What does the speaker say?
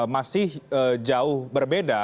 masih jauh berbeda